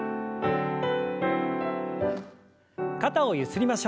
肩をゆすりましょう。